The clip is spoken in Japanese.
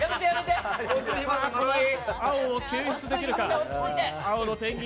青を救出できるか？